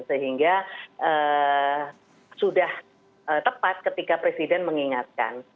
sehingga sudah tepat ketika presiden mengingatkan